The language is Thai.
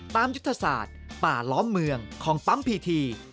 ยุทธศาสตร์ป่าล้อมเมืองของปั๊มพีที